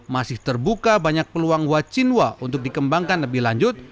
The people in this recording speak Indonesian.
masih terbuka banyak peluang wacinwa untuk dikembangkan lebih lanjut